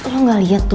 lu nggak liat tuh